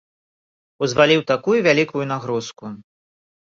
Узваліў такую вялікую нагрузку.